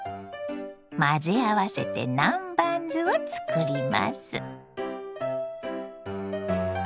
混ぜ合わせて南蛮酢を作ります。